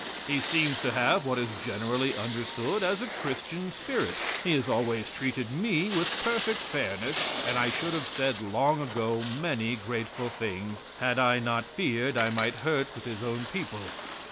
He seems to have what is generally understood as a Christian spirit. He has always treated me with perfect fairness, and I should have said long ago many grateful things, had I not feared I might hurt with his own people.